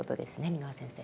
蓑輪先生。